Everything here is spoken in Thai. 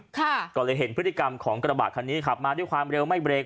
ก็เลยเห็นพฤติกรรมของกระบะคันนี้ขับมาด้วยความเร็วไม่เรก